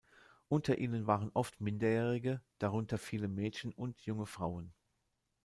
Unter ihnen waren oft Minderjährige, darunter viele Mädchen und junge Frauen.